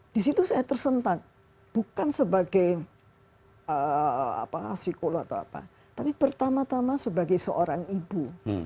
di situ saya tersentak bukan sebagai psikolog atau apa tapi pertama tama sebagai seorang ibu